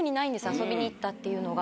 遊びに行ったっていうのが。